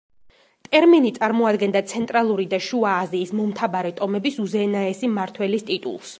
ტერმინი წარმოადგენდა ცენტრალური და შუა აზიის მომთაბარე ტომების უზენაესი მმართველის ტიტულს.